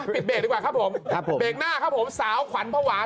เบรกดีกว่าครับผมเบรกหน้าครับผมสาวขวัญภาวะ